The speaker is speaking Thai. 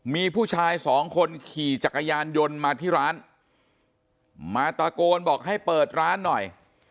มีผู้ชายสองคนขี่จักรยานยนต์มาที่ร้านมาตะโกนบอกให้เปิดร้านหน่อย